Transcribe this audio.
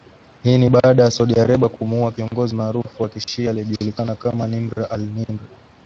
Hii ni baada ya Saudi Arabia kumuua kiongozi maarufu wa kishia, aliyejulikana kama Nimr al Nimr